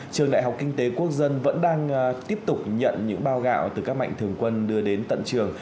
trường đại học kinh tế quốc dân vẫn đang tiếp tục nhận những bao gạo từ các mạnh thường quân đưa đến tận trường